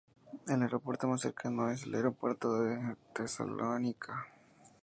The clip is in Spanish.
El aeropuerto más cercano es el Aeropuerto de Tesalónica.